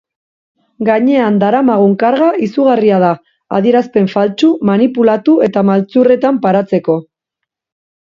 Gainean daramagun karga izugarria da, adierazpen faltsu, manipulatu eta maltzurretan paratzeko.